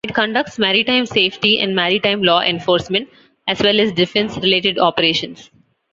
It conducts maritime safety and maritime law enforcement as well as defence-related operations.